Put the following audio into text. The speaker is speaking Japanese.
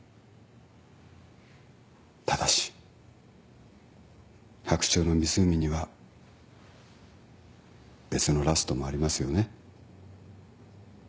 ただし『白鳥の湖』には別のラストもありますよね。